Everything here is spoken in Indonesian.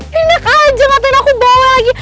hinak aja ngatain aku bawel lagi